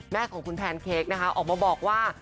แม่ของคุณแพนเค้กนะคะออกมาบอกว่า